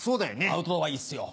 アウトドアはいいっすよ。